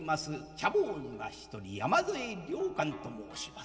茶坊主が一人山添良寛と申します。